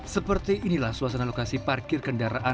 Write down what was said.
seperti inilah suasana lokasi parkir kendaraan